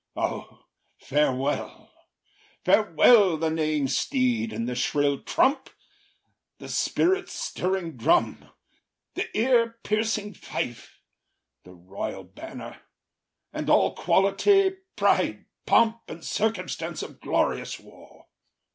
O, farewell, Farewell the neighing steed and the shrill trump, The spirit stirring drum, the ear piercing fife, The royal banner, and all quality, Pride, pomp, and circumstance of glorious war!